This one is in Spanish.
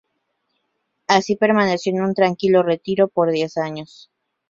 Así permaneció en un tranquilo retiro por diez años.